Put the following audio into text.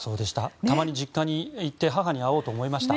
たまに実家に行って母に会おうと思いました。